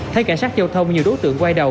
thấy cảnh sát giao thông nhiều đối tượng quay đầu